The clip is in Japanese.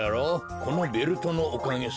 このベルトのおかげさ。